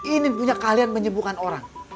inin punya kalian menyembuhkan orang